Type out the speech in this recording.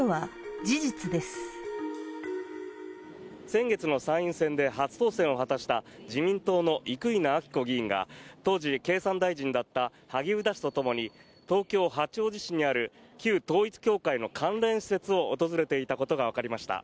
先月の参院選で初当選を果たした自民党の生稲晃子議員が当時、経産大臣だった萩生田氏とともに東京・八王子市にある旧統一教会の関連施設を訪れていたことがわかりました。